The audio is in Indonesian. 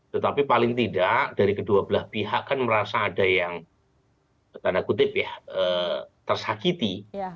tetapi paling tidak dari kedua belah pihak kan merasa ada yang tanda kutip ya tersakiti